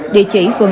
địa chỉ phường a